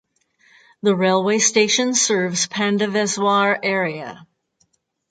The railway station serves Pandaveswar Area.